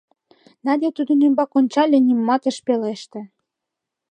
Надя тудын ӱмбак ончале, нимомат ыш пелеште.